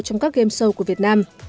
trong các game sâu của việt nam